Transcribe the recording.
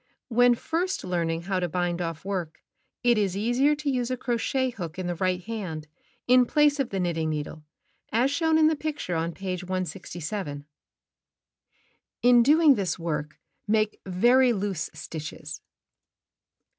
— When first learning how to bind off work it is easier to use a crochet hook in the right hand in place of the knitting needle, as shown in the picture on page 167. Isift that splendid Mary Frances Really Knits 167 In doing this work make very loose stitches.